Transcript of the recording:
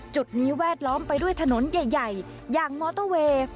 จุดนี้แวดล้อมไปด้วยถนนใหญ่อย่างมอเตอร์เวย์